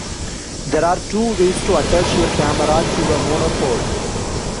There are two ways to attach your camera to a monopod.